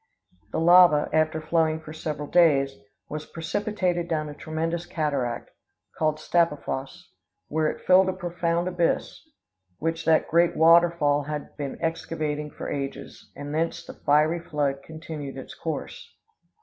The lava, after flowing for several days, was precipitated down a tremendous cataract, called Stapafoss, where it filled a profound abyss, which that great water fall had been excavating for ages, and thence the fiery flood continued its course.